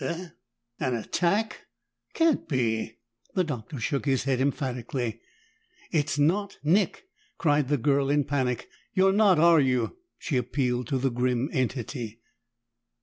"Eh? An attack? Can't be!" The Doctor shook his head emphatically. "It's not Nick!" cried the girl in panic. "You're not, are you?" she appealed to the grim entity.